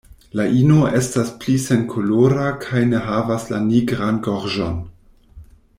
La ino estas pli senkolora kaj ne havas la nigran gorĝon.